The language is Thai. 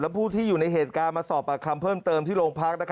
ผู้ที่อยู่ในเหตุการณ์มาสอบปากคำเพิ่มเติมที่โรงพัก